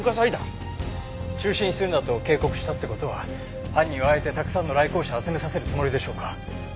中止にするなと警告したって事は犯人はあえてたくさんの来校者を集めさせるつもりでしょうか？